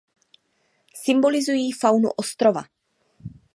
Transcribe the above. Symbolizují faunu ostrova.